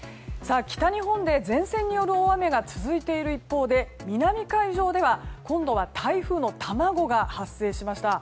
北日本で前線による大雨が続いている一方で南海上では、今度は台風の卵が発生しました。